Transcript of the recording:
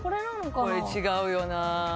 これ違うよな。